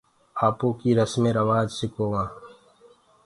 آپوڪيٚ رَسمين روآجَ سِڪووآنٚ۔